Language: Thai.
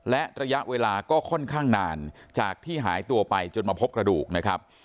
และระยะเวลาก็ค่อนข้างนานจากที่หายตัวไปจนมาพบกระดูกนะครับ